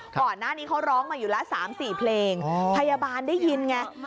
ก่อนหน้านี้เขาร้องมาอยู่แล้ว๓๔เพลงพยาบาลได้ยินไง